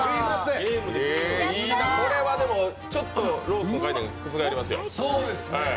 これはでもちょっとロースの概念、覆りますよ。